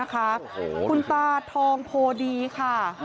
คุณตาทองโพดีค่ะ